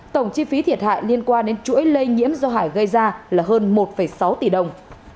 tổng chi phí thiệt hại liên quan đến chuỗi lây nhiễm do hải gây ra là hơn một sáu tỷ đồng